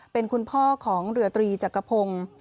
เป็นคุณพ่อของเรือตรีจักรพงศ์